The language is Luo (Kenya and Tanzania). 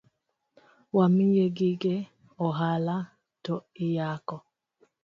Wamiyi gige ohala to iyako?